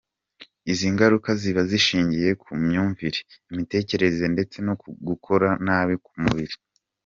Izi ngaruka ziba zishingiye ku myumvire, imitekerereze ndetse no ku gukora nabi k'umubiri.